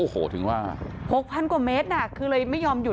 ๖๐๐๐กว่าเมตรน่ะคือเลยไม่ยอมหยุด